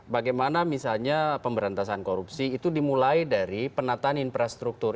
bagaimana misalnya pemberantasan korupsi itu dimulai dari penataan infrastruktur